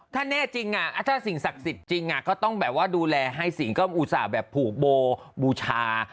ถ้าสิ่งศักดิ์สิทธิ์จริงไปต้องแบบว่าดูแลอุตส่าห์แบบผูกโบบูชา